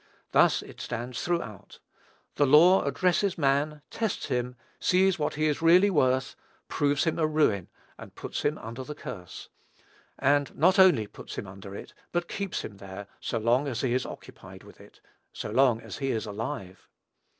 Thus it stands throughout. The law addresses man, tests him, sees what he is really worth, proves him a ruin, and puts him under the curse; and not only puts him under it, but keeps him there so long as he is occupied with it, so long as he is alive.